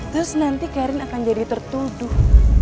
terus nanti karin akan jadi tertuduh